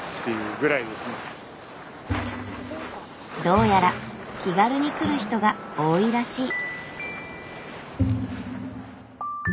どうやら気軽に来る人が多いらしい。